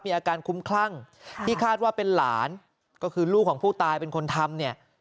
อาการคุ้มคลั่งที่คาดว่าเป็นหลานก็คือลูกของผู้ตายเป็นคนทำเนี่ย